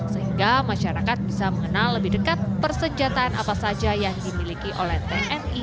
sehingga masyarakat bisa mengenal lebih dekat persenjataan apa saja yang dimiliki oleh tni